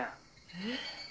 えっ。